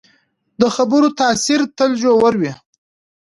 د خبرو تاثیر تل ژور وي